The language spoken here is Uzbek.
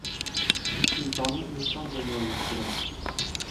Insonni insonday yozish kerak.